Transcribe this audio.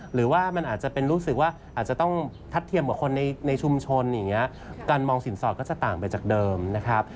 หรือว่ามันอาจจะเป็นรู้สึกว่าอาจจะต้องทัดเทียมกับคนในชุมชนอย่างนี้การมองสินสอดก็จะต่างไปจากเดิมนะครับ